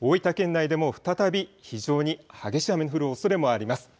内でも再び非常に激しい雨の降るおそれもあります。